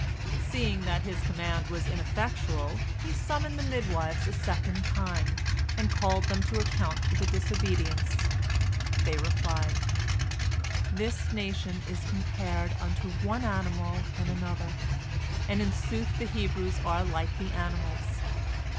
Seeing that his command was ineffectual, he summoned the midwives a second time, and called them to account for their disobedience. They replied: "This nation is compared unto one animal and another, and, in sooth, the Hebrews are like the animals.